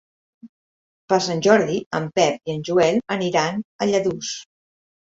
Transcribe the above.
Per Sant Jordi en Pep i en Joel aniran a Lladurs.